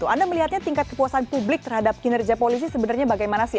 anda melihatnya tingkat kepuasan publik terhadap kinerja polisi sebenarnya bagaimana sih